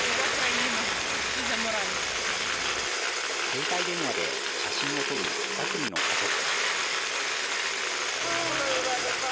携帯電話で写真を撮る２組の家族。